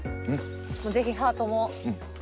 ぜひハートも。